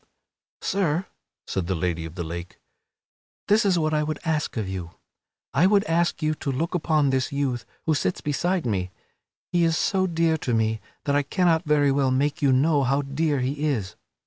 "Sir," said the Lady of the Lake, "this is what I would ask of you. I would ask you to look upon this youth who sits beside me. He is so dear to me that I cannot very well make you know how dear he is.